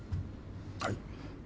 はい。